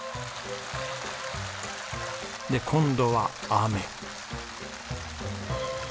で今度は雨。